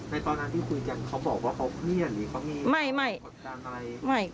ในตอนนั้นที่คุยกันเค้าบอกว่าเค้าเงียนหรือเค้าเงียน